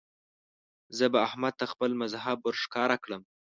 زه به احمد ته خپل مذهب ور ښکاره کړم.